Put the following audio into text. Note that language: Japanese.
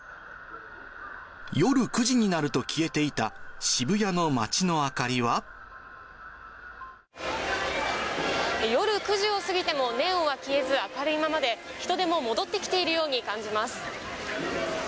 夜９時になると消えていた渋夜９時を過ぎても、ネオンは消えず、明るいままで、人出も戻ってきているように感じます。